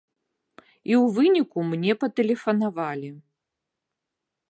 І ў выніку мне патэлефанавалі.